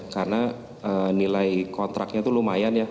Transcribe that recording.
karena nilai kontraknya lumayan ya